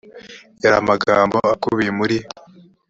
yari amagambo akubiye muri